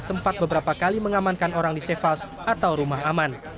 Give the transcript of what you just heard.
sempat beberapa kali mengamankan orang di safe house atau rumah aman